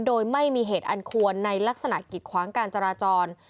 โดยไม่มีเหตุอันควรในลักษณะกิดขวางการจราจร